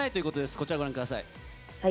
こちら、ご覧ください。